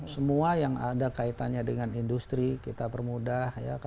semua yang ada kaitannya dengan industri kita permudah